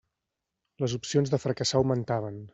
Les opcions de fracassar augmentaven.